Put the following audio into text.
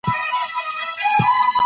یو موټی شئ.